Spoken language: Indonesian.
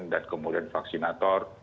dan kemudian vaksinator